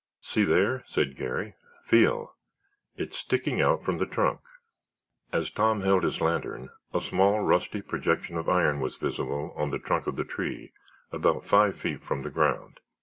"See there?" said Garry. "Feel. It's sticking out from the trunk." As Tom held his lantern a small, rusty projection of iron was visible on the trunk of the tree about five feet from the ground.